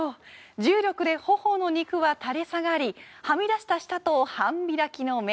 重力で頬の肉は垂れ下がりはみ出した舌と半開きの目。